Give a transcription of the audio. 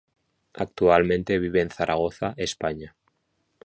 Actualmente vive en Zaragoza, España.